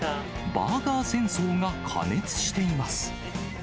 バーガー戦争が過熱しています。